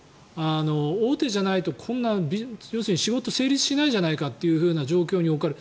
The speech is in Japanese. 大手じゃないと、こんな仕事成立しないじゃないかという状況に置かれる。